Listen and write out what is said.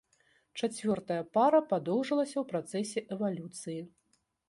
Чацвёртая пара падоўжылася ў працэсе эвалюцыі.